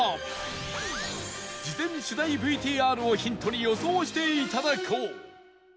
事前取材 ＶＴＲ をヒントに予想して頂こう